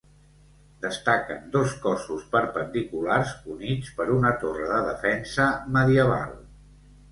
Destaquen dos cossos perpendiculars units per una torre de defensa medieval.